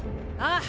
ああ。